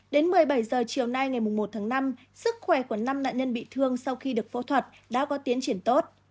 đến một mươi bảy h chiều nay ngày một tháng năm sức khỏe của năm nạn nhân bị thương sau khi được phẫu thuật đã có tiến triển tốt